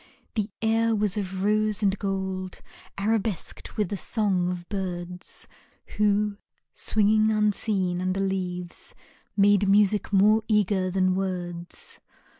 The air was of rose and gold Arabesqued with the song of birds Who, swinging unseen under leaves, Made music more eager than words.